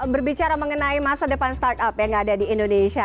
berbicara mengenai masa depan startup yang ada di indonesia